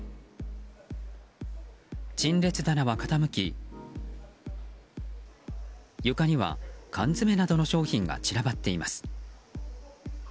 陳列棚は傾き床には缶詰などの商品が散らばっています。